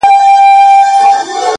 هر څه منم پر شخصيت باندي تېرى نه منم،